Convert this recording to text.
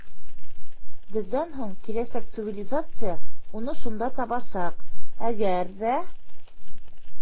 Беҙҙән һуң киләсәк цивилизация уны шунда табасаҡ, әгәр ҙә-ә...